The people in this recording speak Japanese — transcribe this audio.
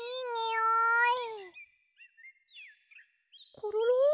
コロロ！